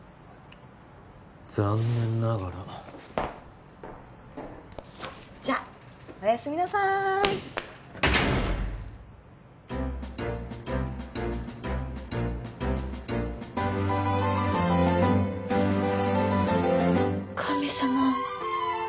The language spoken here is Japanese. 残念ながらじゃおやすみなさい神様